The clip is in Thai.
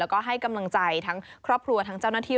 แล้วก็ให้กำลังใจทั้งครอบครัวทั้งเจ้าหน้าที่